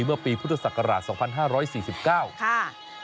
เมื่อปีพุทธศักราช๒๕๔๙ค่ะ